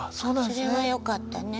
それはよかったね。